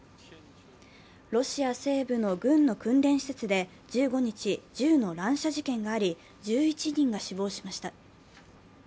ロシア西部の軍の訓練施設で１５日、銃の乱射事件があり、１１人が死亡しました。